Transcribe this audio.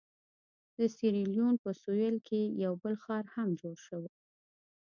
د سیریلیون په سوېل کې یو بل ښار هم جوړ شو.